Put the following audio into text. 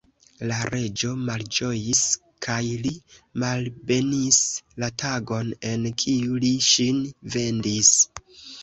La reĝo malĝojis kaj li malbenis la tagon, en kiu li ŝin vendis.